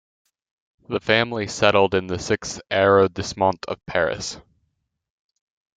The family settled in the sixth arrondissement of Paris.